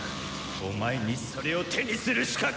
お前にそれを手にする資格はない！